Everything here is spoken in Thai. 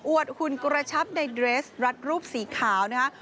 หุ่นกระชับในเดรสรัดรูปสีขาวนะฮะ